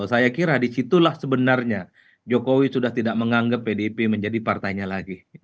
saya kira disitulah sebenarnya jokowi sudah tidak menganggap pdip menjadi partainya lagi